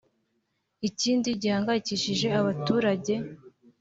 Ikindi gihangayikihishije aba baturage